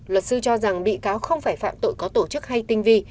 luật sư cho rằng bị cáo không phải phạm tội có tổ chức hay tinh vi